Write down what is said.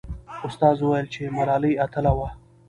استاد وویل چې ملالۍ اتله وه.